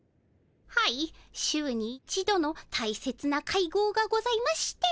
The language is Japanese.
はい週に一度のたいせつな会合がございまして。